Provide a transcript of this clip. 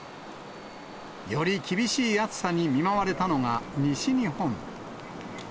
より厳しい暑さに見舞われたのが西日本。